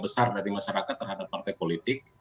besar dari masyarakat terhadap partai politik